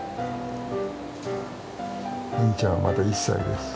ウニちゃんはまだ１歳です。